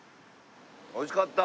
おいしかった！